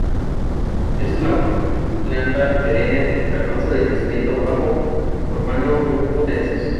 Es una planta perenne carnosa de crecimiento bajo, formando grupos densos.